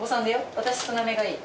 私少なめがいい。